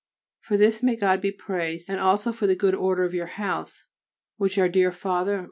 For this may God be praised and also for the good order of your house, which our dear Father M.